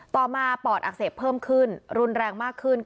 ต่อมาปอดอักเสบเพิ่มขึ้นรุนแรงมากขึ้น